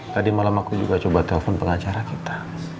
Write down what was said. tadi malam aku juga coba telpon pengacara kita